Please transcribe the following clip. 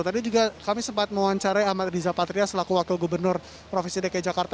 tadi juga kami sempat mewawancarai ahmad riza patria selaku wakil gubernur provinsi dki jakarta